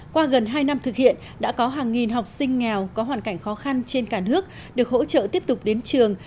qua gần hai năm thực hiện đã có hàng nghìn học sinh nghèo có hoàn cảnh khó khăn trên cả nước được hỗ trợ tiếp tục đến trường